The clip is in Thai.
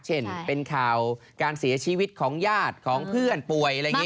เช่นเป็นข่าวการเสียชีวิตของญาติของเพื่อนป่วยอะไรอย่างนี้